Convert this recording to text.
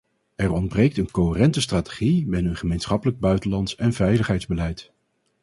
Er ontbreekt een coherente strategie binnen een gemeenschappelijk buitenlands en veiligheidsbeleid.